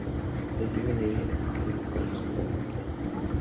Su estilo de vida escogido es el de dominante.